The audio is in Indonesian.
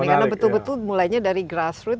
karena betul betul mulainya dari grassroot